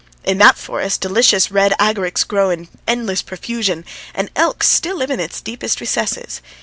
In that forest delicious, reddish agarics grow in endless profusion, and elks still live in its deepest recesses.